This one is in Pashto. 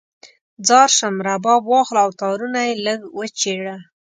ځار شم، رباب واخله او تارونه یې لږ وچیړه